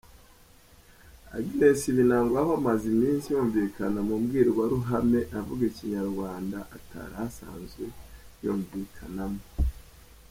Agnes Binagwaho amaze iminsi yumvikana mu mbwirwaruhame avuga Ikinyarwanda atari asanzwe yumvikana mo.